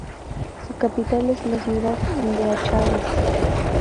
Su capital es la ciudad de Achaguas.